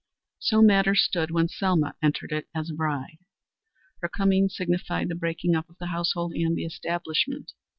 So matters stood when Selma entered it as a bride. Her coming signified the breaking up of the household and the establishment.